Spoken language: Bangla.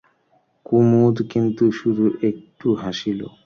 কুমুদ কিন্তু শুধু একটু হাসিল।